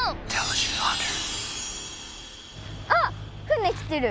あっ船来てる！